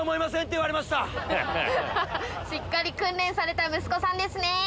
しっかり訓練された息子さんですね。